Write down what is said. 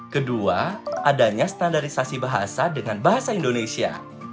kedua adanya standarisasi bahasa dengan bahasa indonesia